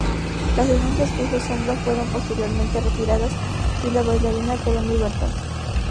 Las denuncias que hizo Sombra fueron posteriormente retiradas, y la bailarina quedó en libertad.